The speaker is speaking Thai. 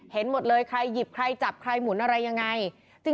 เห็นหมดเลยใครหยิบใครจับใครหมุนอะไรยังไง